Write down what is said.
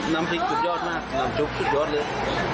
น้ำพริกสุดยอดมากน้ำซุปสุดยอดเลย